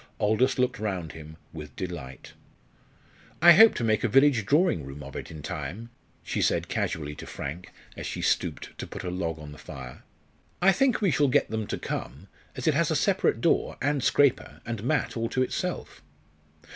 Aldous looked round him with delight. "I hope to make a village drawing room of it in time," she said casually to Frank as she stooped to put a log on the fire. "I think we shall get them to come, as it has a separate door, and scraper, and mat all to itself."